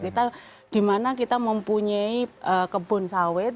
kita dimana kita mempunyai kebun sawit